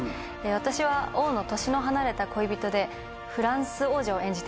私は王の年の離れた恋人でフランス王女を演じています。